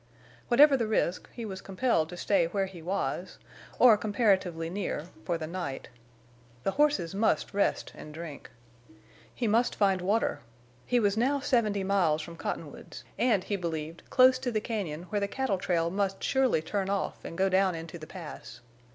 Whatever the risk, he was compelled to stay where he was, or comparatively near, for the night. The horses must rest and drink. He must find water. He was now seventy miles from Cottonwoods, and, he believed, close to the cañon where the cattle trail must surely turn off and go down into the Pass.